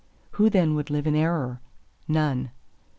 Who then would live in error?—None.